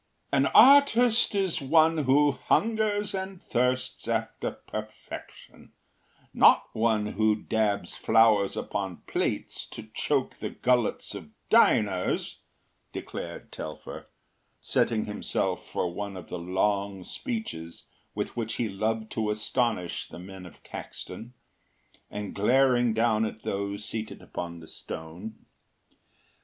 “An artist is one who hungers and thirsts after perfection, not one who dabs flowers upon plates to choke the gullets of diners,” declared Telfer, setting himself for one of the long speeches with which he loved to astonish the men of Caxton, and glaring down at those seated upon the stone.